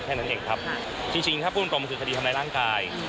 แค่นั้นเองครับจริงถ้าพูดตรงมันคือคดีทำร้ายร่างกาย